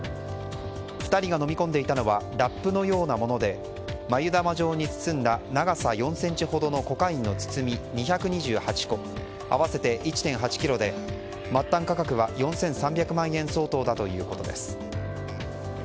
２人が飲み込んでいたのはラップのようなもので繭玉状に包んだ長さ４ｃｍほどのコカインの包み２２８個合わせて１．８ｋｇで末端価格は４３００万円相当だということです。